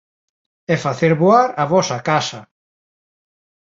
...e facer voar a vosa casa!